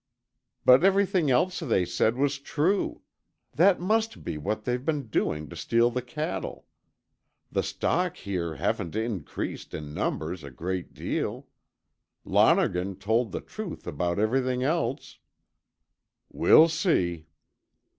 "But everything else they said was true. That must be what they've been doing to steal the cattle. The stock here haven't increased in numbers a great deal. Lonergan told the truth about everything else." "We'll see."